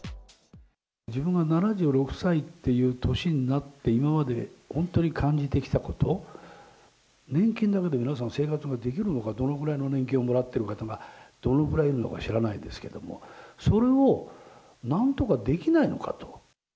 自分が７６歳っていう年になって、今まで本当に感じてきたこと、年金だけで皆さん、生活ができるのか、どのぐらいの年金もらってるのかとか、どのくらいいるのか知らないですけども、それをなんとかできないのかと。